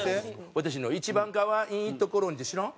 「わたしの一番、かわいいところに」って知らん？